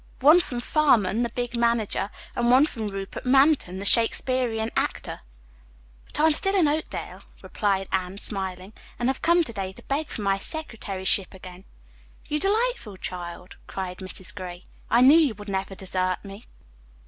"One from Farman, the big manager, and one from Rupert Manton, the Shakespearian actor." "But I am still in Oakdale," replied Anne smiling, "and have come to day to beg for my secretaryship again." "You delightful child," cried Mrs. Gray. "I knew you would never desert me."